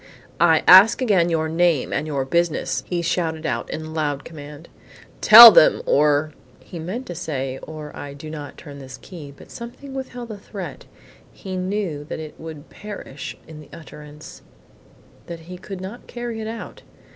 "I ask again your name and your business," he shouted out in loud command. "Tell them or " He meant to say, "or I do not turn this key." But something withheld the threat. He knew that it would perish in the utterance; that he could not carry it out.